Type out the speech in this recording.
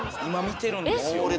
今見てるんですよ。